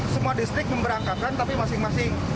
semua distrik memberangkatkan tapi masing masing